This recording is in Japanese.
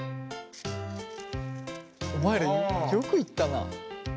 お前らよくいったな。